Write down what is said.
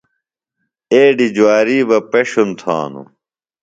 ایڈی جواری بہ پݜُن تھانو۔